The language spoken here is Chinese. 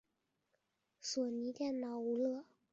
索尼电脑娱乐并没有忽略这个投诉。